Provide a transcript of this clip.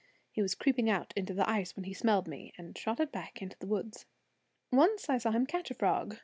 He was creeping out onto the ice when he smelled me, and trotted back into the woods. Once I saw him catch a frog.